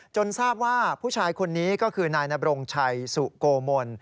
ทราบว่าผู้ชายคนนี้ก็คือนายนบรงชัยสุโกมล